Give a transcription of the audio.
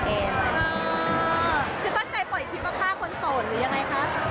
คือตั้งใจปล่อยคลิปมาฆ่าคนโสดหรือยังไงคะ